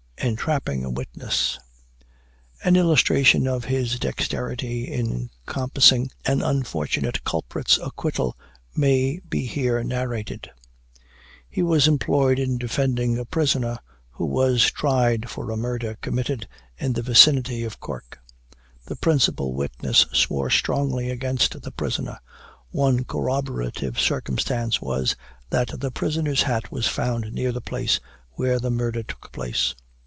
ENTRAPPING A WITNESS. An illustration of his dexterity in compassing an unfortunate culprit's acquittal may be here narrated. He was employed in defending a prisoner who was tried for a murder committed in the vicinity of Cork. The principal witness swore strongly against the prisoner one corroborative circumstance was, that the prisoner's hat was found near the place where the murder took place.